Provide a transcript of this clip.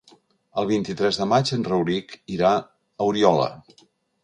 El vint-i-tres de maig en Rauric irà a Oriola.